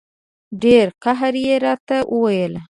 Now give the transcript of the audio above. ډېر قهر یې راته وویل.